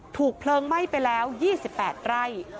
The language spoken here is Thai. เพลิงไหม้ไปแล้ว๒๘ไร่